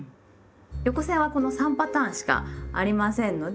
横線はこの３パターンしかありませんので。